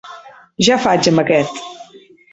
Ja faig amb aquest.